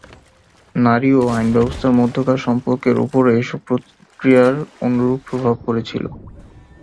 নারী ও আইনব্যবস্থার মধ্যকার সম্পর্কের ওপরও এসব প্রক্রিয়ার অনুরূপ প্রভাব পড়েছিল।